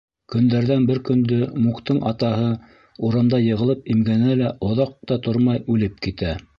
Көндәрҙән бер көндө Муктың атаһы урамда йығылып имгәнә лә оҙаҡ та тормай үлеп китә.